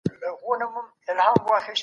تر سبا پوري به ټول کارونه خلاص سي.